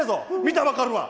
見たら分かるわ。